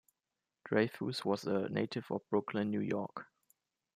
Dreyfuss was a native of Brooklyn, New York.